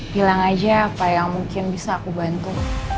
bilang aja apa yang mungkin bisa aku bantu